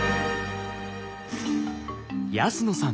安野さん